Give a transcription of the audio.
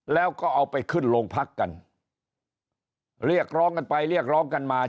แล้วก็เอาไปขึ้นโรงพักกันเรียกร้องกันไปเรียกร้องกันมา